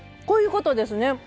こういうことですね。